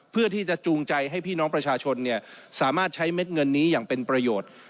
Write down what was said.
เพื่อที่จะจูงใจให้พี่น้องประชาชนสามารถใช้เม็ดเงินนี้อย่างเป็นประโยชน์